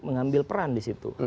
mengambil peran di situ